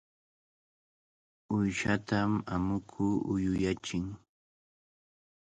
Uyshatam amuku uyuyachin.